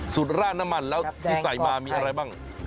ราดน้ำมันแล้วที่ใส่มามีอะไรบ้าง